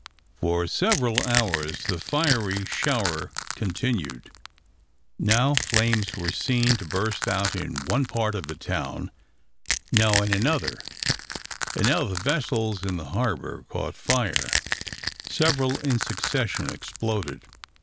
For several hours the fiery shower continued. Now flames were seen to burst out in one part of the town, now in another; and now the vessels in the harbour caught fire; several in succession exploded.